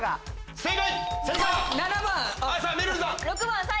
正解。